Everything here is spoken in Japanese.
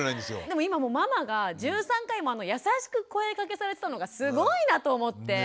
でも今ママが１３回も優しく声かけされてたのがすごいなと思って。